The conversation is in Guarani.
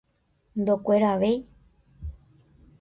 Ndokueravéi.